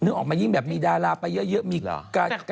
นึกออกมายิ่งแบบมีดาราไปเยอะมีการ